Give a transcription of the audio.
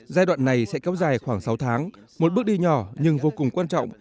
giai đoạn này sẽ kéo dài khoảng sáu tháng một bước đi nhỏ nhưng vô cùng quan trọng